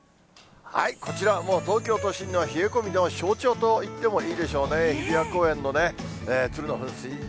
こちらはもう、東京都心の冷え込みの象徴といってもいいでしょうね、日比谷公園のね、つるの噴水。